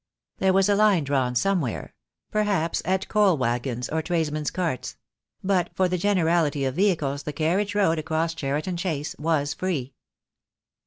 There was a line drawn somewhere; perhaps at coal waggons or tradesmen's carts; but for the generality 70 THE DAY WILL COME. of vehicles the carnage road across Cheriton Chase was free.